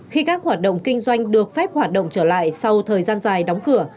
khi các hoạt động kinh doanh được phép hoạt động trở lại sau thời gian dài đóng cửa